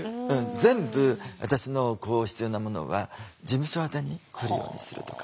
全部私の必要なものは事務所宛に来るようにするとか。